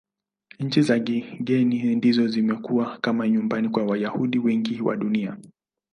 Nchi za kigeni ndizo zimekuwa kama nyumbani kwa Wayahudi wengi wa Dunia.